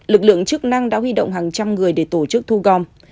lực lượng chức năng đã huy động hàng trăm người để tổ chức thu gom